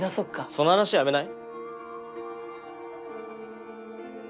その話やめない？